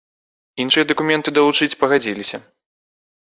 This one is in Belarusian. Іншыя дакументы далучыць пагадзілася.